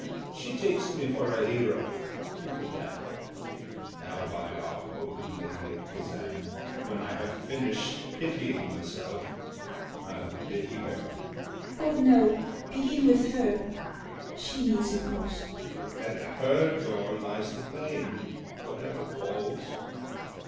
She takes me for a hero think of that! Now by our holy Lady of Kazan, When I have finished pitying myself, I'll pity her. SHE. Oh no; begin with her; She needs it most. HE. At her door lies the blame, Whatever falls.